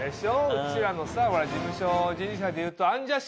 うちらの事務所人力舎でいうと。